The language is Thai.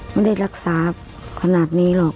ไม่ได้รักษาขนาดนี้หรอก